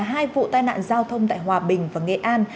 hai vụ tai nạn giao thông tại hòa bình và nghệ an